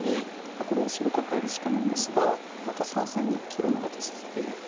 これは白カカえるしかないんですがまた３線に切るのが手筋で。